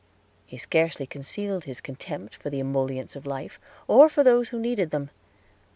He scarcely concealed his contempt for the emollients of life, or for those who needed them.